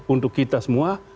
untuk kita semua